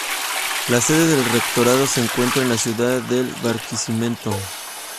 La sede del Rectorado se encuentra en la ciudad de Barquisimeto.